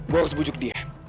gua harus bujuk dia